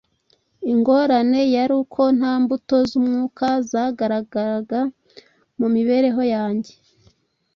ingorane yari uko nta mbuto z’umwuka zagaragaraga mu mibereho yanjye.